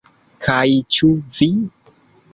Kaj ĉu vi?